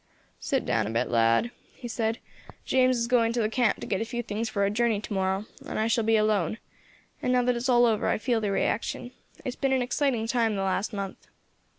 "Sit down a bit, lad," he said; "James is going to the camp to get a few things for our journey to morrow, and I shall be alone, and now that it's all over I feel the reaction. It has been an exciting time the last month."